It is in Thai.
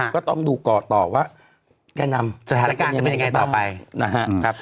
ก็ต้องดูก่อต่อว่าแก้นำจะเป็นยังไงบ้าง